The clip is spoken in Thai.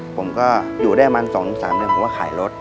ผมก็อยู่ได้ประมาณ๒๓เดือนผมก็ขายรถ